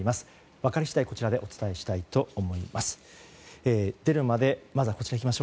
分かり次第、こちらでお伝えしたいと思います。